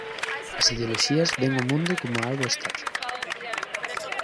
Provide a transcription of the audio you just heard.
As ideoloxías ven o mundo coma algo estático.